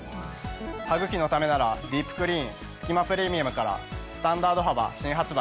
「歯ぐきのためならディープクリーンすき間プレミアム」からスタンダード幅新発売。